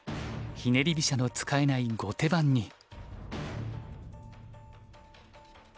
ひねり飛車の使えない後手番に。